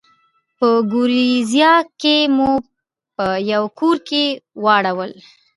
په ګوریزیا کې مو په یوه کور کې واړول.